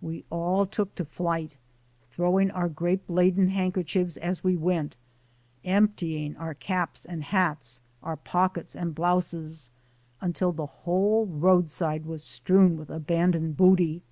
We all took to flight, throwing our grape laden handkerchiefs as we went, emptying our caps and hats, our pockets 42 THE SOUL OF AN IMMIGRANT and blouses, until the whole roadside was strewn with abandoned booty.